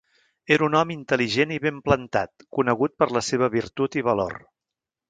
Era un home intel·ligent i ben plantat, conegut per la seva virtut i valor.